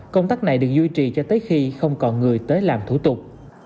công tác này được duy trì cho tới khi không còn người tới làm thủ tục